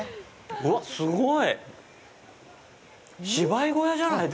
うわっ、すごっ！